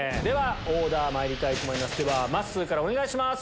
オーダーまいりたいと思いますまっすーからお願いします。